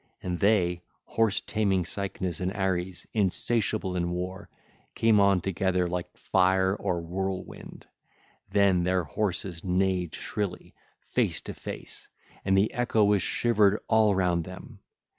And they, horse taming Cycnus and Ares, insatiable in war, came on together like fire or whirlwind. Then their horses neighed shrilly, face to face; and the echo was shivered all round them.